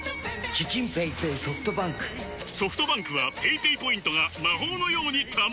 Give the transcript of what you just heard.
ソフトバンクはペイペイポイントが魔法のように貯まる！